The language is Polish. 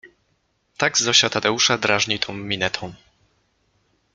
Tak Zosia Tadeusza drażni tą minetą.